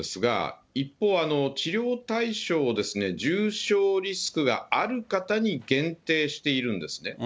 それはそのとおりなんですが、一方、治療対象を重症リスクがある方に限定しているんですね。